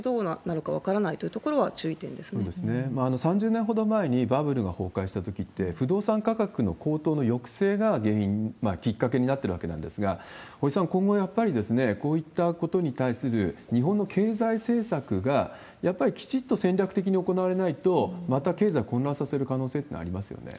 ３０年ほど前に、バブルが崩壊したときって、不動産価格の高騰の抑制が原因、きっかけになってるわけなんですが、堀さん、今後やっぱり、こういったことに対する日本の経済政策がやっぱりきちっと戦略的に行われないと、また経済、混乱させる可能性っていうのはありますよね。